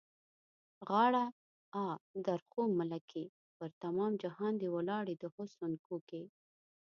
غاړه؛ آ، درخو ملکې! پر تمام جهان دې ولاړې د حُسن کوکې.